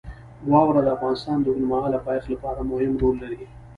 واوره د افغانستان د اوږدمهاله پایښت لپاره مهم رول لري.